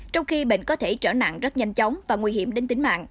trong khi bệnh có thể trở nặng rất nhanh chóng và nguy hiểm đến tính mạng